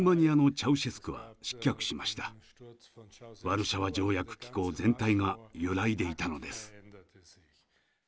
ワルシャワ条約機構全体が揺らいでいたのです。